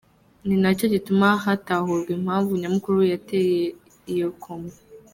ninacyo gituma hatahurwa impamvu nyamukuru yateye iyo coma.